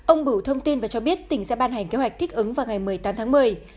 ông bửu thông tin và cho biết tỉnh sẽ ban hành kế hoạch thích ứng vào ngày một mươi tám tháng một mươi